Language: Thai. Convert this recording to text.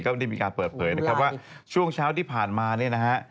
ก็ได้มีการเปิดเผยนะครับว่าช่วงเช้าที่ผ่านมาเนี่ยนะฮะ